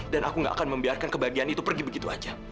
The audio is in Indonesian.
dan aku nggak akan membiarkan kebahagiaan itu pergi begitu aja